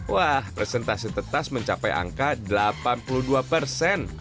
wah presentasi tetas mencapai angka delapan puluh dua persen